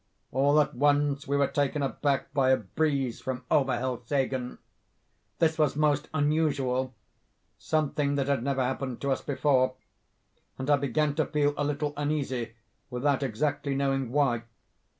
All at once we were taken aback by a breeze from over Helseggen. This was most unusual—something that had never happened to us before—and I began to feel a little uneasy, without exactly knowing why.